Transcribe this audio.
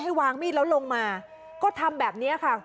วางมีดแล้วลงมาก็ทำแบบนี้ค่ะ